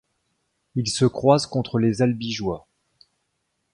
Il se croise contre les Albigeois.